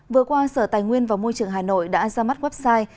vừa qua sở tài nguyên và môi trường hà nội đã ra mắt website